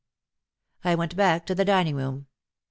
I went back to the dining room.